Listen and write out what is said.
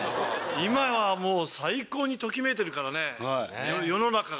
今はもう最高にときめいてるからね世の中が。